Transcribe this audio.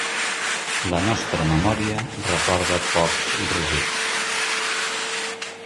La nostra memòria recorda pocs rosers.